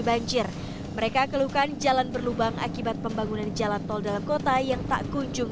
banjir mereka keluhkan jalan berlubang akibat pembangunan jalan tol dalam kota yang tak kunjung